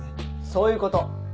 そういうこと。